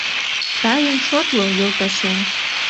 Сайын шотло, йолташем.